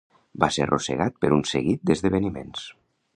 Va ser arrossegat per un seguit d'esdeveniments.